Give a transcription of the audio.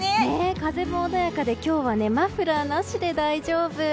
風も穏やかで今日はマフラーなしで大丈夫。